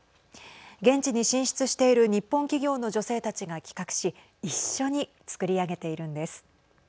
現地に進出している日本企業の女性たちが企画し一緒に作り上げているんです。